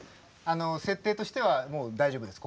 設定としてはもう大丈夫です